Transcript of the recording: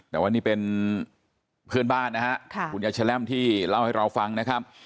แต่ว่านี่เป็นเพื่อนบ้านนะฮะคุณยายแชล่มที่เล่าให้เราฟังนะครับ